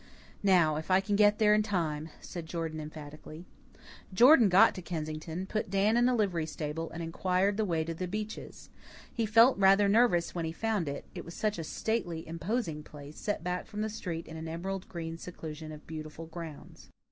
"Now if I can get there in time," said Jordan emphatically. Jordan got to Kensington, put Dan up in a livery stable, and inquired the way to The Beeches. He felt rather nervous when he found it, it was such a stately, imposing place, set back from the street in an emerald green seclusion of beautiful grounds.